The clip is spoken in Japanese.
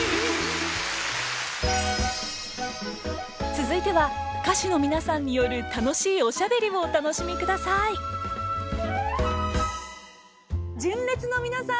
続いては歌手の皆さんによる楽しいおしゃべりをお楽しみ下さい純烈の皆さん